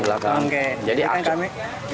oh di belakang